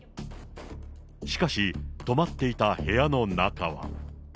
しかし、泊まっていた部屋の中は。